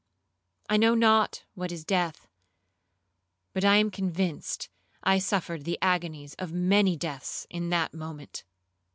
I know not what is death, but I am convinced I suffered the agonies of many deaths in that moment.